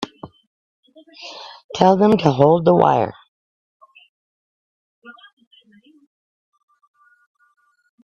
Tell them to hold the wire.